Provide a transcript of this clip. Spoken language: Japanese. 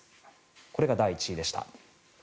これが第１位でした。